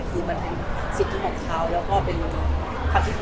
คือมันเป็นสิทธิ์ของเขาแล้วก็เป็นความคิดของเขาเนี่ยค่ะ